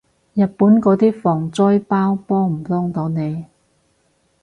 日本嗰啲防災包幫唔幫到你？